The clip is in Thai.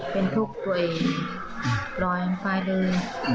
เป็นทุกข์ตัวเองปล่อยเวิมไปเลย